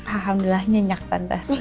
alhamdulillah nyenyak tante